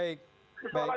terima kasih pak